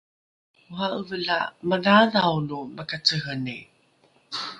ora’eve la madhaadhao lo makaceheni